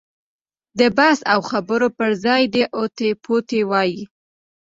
د بحث او خبرو پر ځای دې اوتې بوتې ووایي.